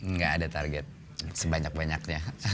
nggak ada target sebanyak banyaknya